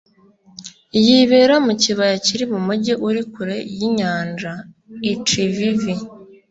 Yibera mu kibaya kiri mumujyi uri kure yinyanja. (ichivivi)